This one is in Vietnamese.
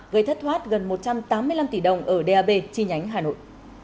gây thất thoát gần một trăm tám mươi năm tỷ đồng ở d a b chi nhánh hà nội